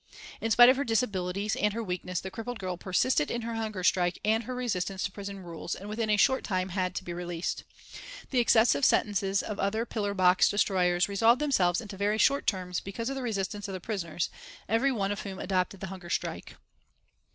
In spite of her disabilities and her weakness the crippled girl persisted in her hunger strike and her resistance to prison rules, and within a short time had to be released. The excessive sentences of the other pillar box destroyers resolved themselves into very short terms because of the resistance of the prisoners, every one of whom adopted the hunger strike.